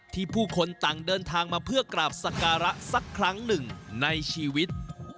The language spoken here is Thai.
ผู้คนต่างเดินทางมาเพื่อกราบสการะสักครั้งหนึ่งในชีวิต